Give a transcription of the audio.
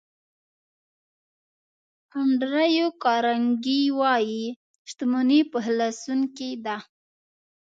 انډریو کارنګي وایي شتمني په خلاصون کې ده.